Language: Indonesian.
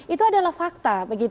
itu adalah fakta